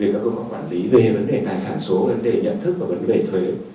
các cơ quan quản lý về vấn đề tài sản số vấn đề nhận thức và vấn đề thuế